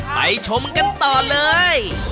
ไปชมกันต่อเลย